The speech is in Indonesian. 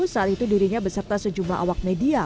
saat itu dirinya beserta sejumlah awak media